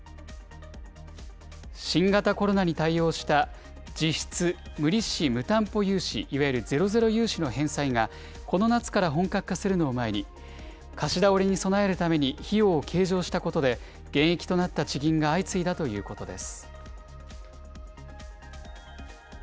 新型コロナに対応した実質無利子・無担保融資いわゆるゼロゼロ融資の返済がこの夏から本格化するのを前に、貸し倒れに備えるために費用を計上したことで、減益となった地銀が相次いだということです。